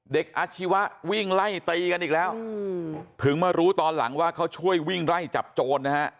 อาชีวะวิ่งไล่ตีกันอีกแล้วถึงมารู้ตอนหลังว่าเขาช่วยวิ่งไล่จับโจรนะฮะ